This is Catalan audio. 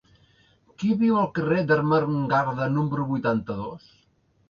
Qui viu al carrer d'Ermengarda número vuitanta-dos?